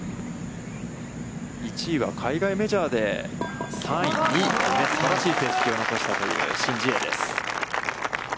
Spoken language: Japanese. １位は海外メジャーで３位、２位と、すばらしい成績を残したという申ジエです。